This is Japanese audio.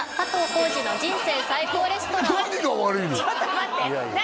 ちょっと待って何？